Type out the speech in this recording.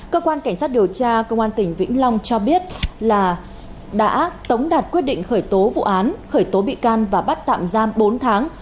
cơ quan cảnh sát điều tra công an tỉnh vĩnh long cho biết là đã tống đạt quyết định khởi tố vụ án khởi tố bị can và bắt tạm giam bốn tháng